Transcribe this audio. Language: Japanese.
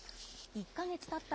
１か月たった